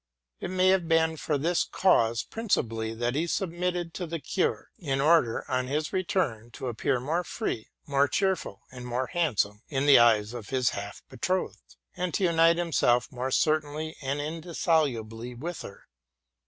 It may have been for this cause principally that he submitted to the cure, in order, on his return, to appear more free, more cheerful, and more handsome in the eyes of his half betrothed, and to unite himself more certainly and indissolubly with her.